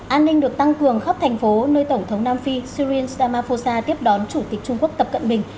an ninh được tăng cường khắp thành phố nơi tổng thống nam phi sirin samaphosa tiếp đón chủ tịch trung quốc tập cận bình